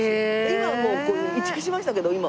今はもう移築しましたけど今。